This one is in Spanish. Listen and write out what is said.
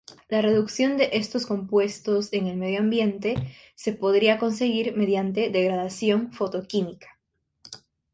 La reducción de estos compuestos en el medioambiente se podría conseguir mediante degradación fotoquímica.